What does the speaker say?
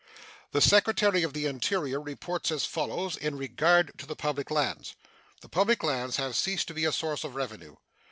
The Secretary of the Interior reports as follows in regard to the public lands: The public lands have ceased to be a source of revenue.